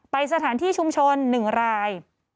ไปสถานที่ชุมชน๑ราย